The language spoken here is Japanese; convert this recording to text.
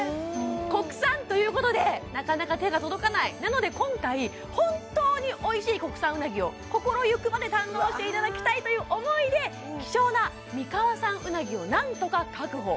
国産ということでなかなか手が届かないなので今回本当においしい国産うなぎを心ゆくまで堪能していただきたいという思いで希少な三河産うなぎをなんとか確保